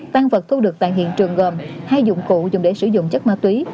tăng vật thu được tại hiện trường gồm hai dụng cụ dùng để sử dụng chất ma túy